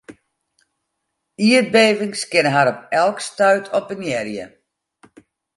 Ierdbevings kinne har op elk stuit oppenearje.